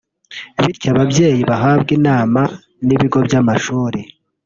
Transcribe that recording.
bityo ababyeyi bahabwe inama n’ibigo by’amashuri